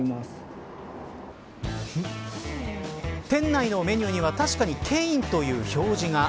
店内のメニューには確かにケインという表示が。